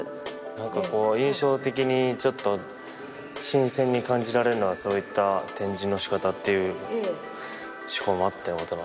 なんかこう印象的にちょっと新鮮に感じられるのはそういった展示のしかたっていう趣向もあってのことなんですね。